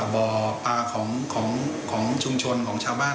บ่อปลาของชุมชนของชาวบ้าน